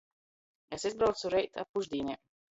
Es izbraucu reit ap pušdīnem.